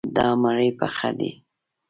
دا مړی پخه دی.